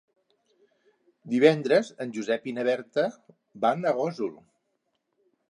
Divendres en Josep i na Berta van a Gósol.